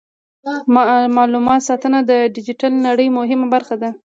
د معلوماتو ساتنه د ډیجیټل نړۍ مهمه برخه ده.